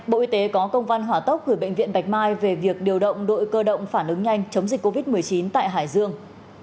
bộ y tế có công văn hỏa tốc gửi bệnh viện bạch mai về việc điều động đội cơ động phản ứng nhanh chống dịch covid một mươi chín tại hải dương